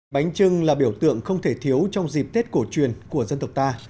bánh trưng là biểu tượng không thể thiếu trong dịp tết cổ truyền của dân tộc ta